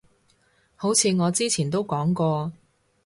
好似我之前都講過